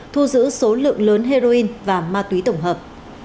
thu giữ số lượng lớn heroin và ma túy tổng hợp